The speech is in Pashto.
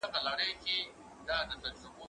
هغه وويل چي منډه ښه ده؟!